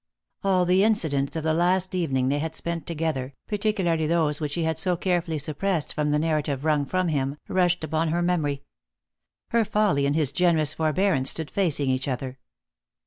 All the incidents of the last evening they had spent together, particularly those which he had so carefully suppressed from the narrative wrung from him, rush ed upon her memory. Her folly and his generous forbearance stood facing each other.